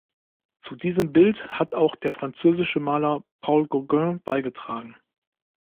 Zu diesem Bild hat auch der französische Maler Paul Gauguin beigetragen.